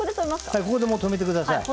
ここで止めてください。